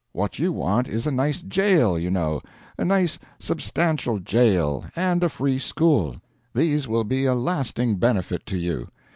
What you want is a nice jail, you know a nice, substantial jail and a free school. These will be a lasting benefit to you.